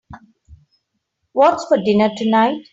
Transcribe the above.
What's for dinner tonight?